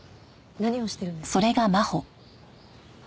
何をしてるんですか？